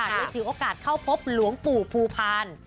ถือโอกาสเข้าพบหลวงปู่ภูพาล